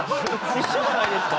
一緒じゃないですか？